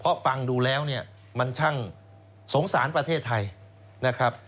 เพราะฟังดูแล้วเนี่ยมันช่างสงสารประเทศไทยนะครับ